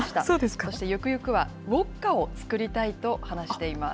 そしてゆくゆくは、ウォッカを造りたいと話しています。